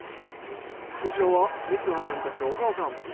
こちらは光葉ちゃんたちのお母さん。